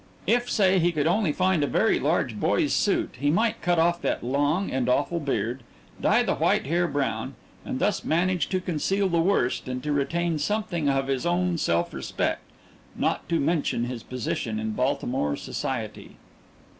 If, say, he could only find a very large boy's suit, he might cut off that long and awful beard, dye the white hair brown, and thus manage to conceal the worst, and to retain something of his own self respect not to mention his position in Baltimore society.